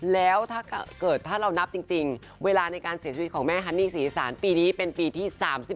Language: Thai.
แล้วถ้าเกิดถ้าเรานับจริงเวลาในการเสียชีวิตของแม่ฮันนี่ศรีอีสานปีนี้เป็นปีที่๓๔